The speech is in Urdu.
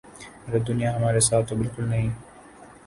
عرب دنیا ہمارے ساتھ تو بالکل نہیں۔